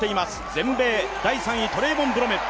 全米第３位、トレイボン・ブロメル。